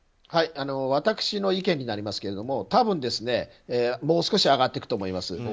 私の意見になりますけれども多分、もう少し上がっていくと思います。